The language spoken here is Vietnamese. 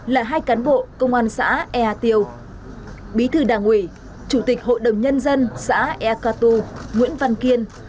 là hai cán bộ công an xã ea tiêu bí thư đảng ủy chủ tịch hội đồng nhân dân xã ea cà tù nguyễn văn kiên